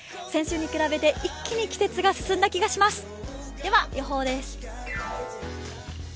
先週に比べて一気に季節が進んだ気がします。